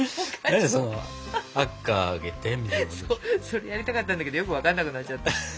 それやりたかったんだけどよく分かんなくなっちゃった。